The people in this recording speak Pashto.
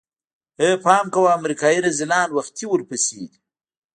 ای پام کوه امريکايي رذيلان وختي ورپسې دي.